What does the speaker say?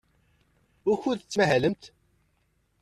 Wukud tettmahalemt?